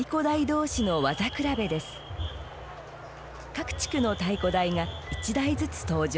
各地区の太鼓台が１台ずつ登場。